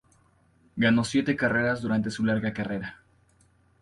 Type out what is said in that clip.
Ganó siete carreras durante su larga carrera.